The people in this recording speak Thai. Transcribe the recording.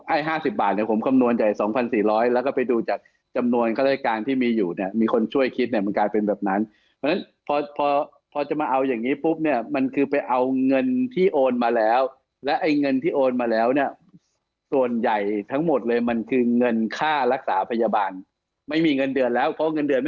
๕๐บาทเนี่ยผมคำนวณใหญ่๒๔๐๐แล้วก็ไปดูจากจำนวนข้าราชการที่มีอยู่เนี่ยมีคนช่วยคิดเนี่ยมันกลายเป็นแบบนั้นเพราะฉะนั้นพอพอจะมาเอาอย่างนี้ปุ๊บเนี่ยมันคือไปเอาเงินที่โอนมาแล้วและไอ้เงินที่โอนมาแล้วเนี่ยส่วนใหญ่ทั้งหมดเลยมันคือเงินค่ารักษาพยาบาลไม่มีเงินเดือนแล้วเพราะเงินเดือน